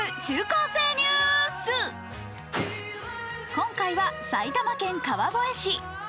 今回は埼玉県川越市。